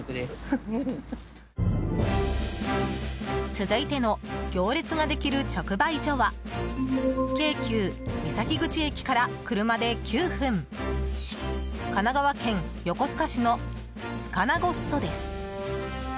続いての行列ができる直売所は京急三崎口駅から車で９分神奈川県横須賀市のすかなごっそです。